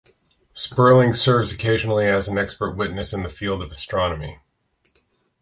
Sperling serves occasionally as an expert witness in the field of astronomy.